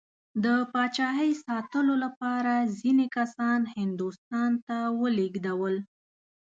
د پاچایۍ ساتلو لپاره ځینې کسان هندوستان ته ولېږدول.